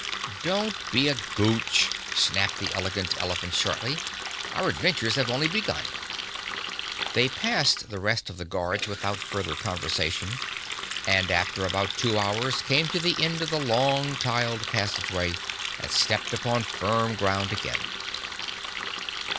"Don't be a Gooch!" snapped the Elegant Elephant shortly. "Our adventures have only begun." They passed the rest of the guards without further conversation, and after about two hours came to the end of the long tiled passageway and stepped upon firm ground again.